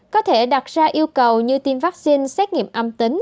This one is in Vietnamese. có thể đặt ra yêu cầu như tiêm vaccine xét nghiệm âm tính